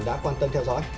đã quan tâm theo dõi